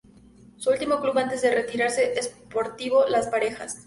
Su último club antes de retirarse Sportivo Las Parejas.